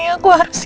aku harus gimana